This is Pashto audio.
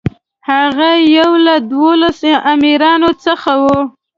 هغه یو له دولسو امیرانو څخه و.